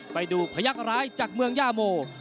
ไปดูพยักษร้ายจากเมืองย่าโม